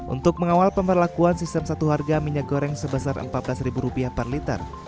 untuk mengawal pemberlakuan sistem satu harga minyak goreng sebesar rp empat belas per liter